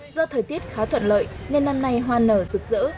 do thời tiết khá thuận lợi nên năm nay hoa nở rực rỡ